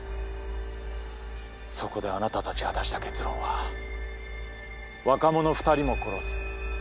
そこであなたたちが出した結論は若者２人も殺す。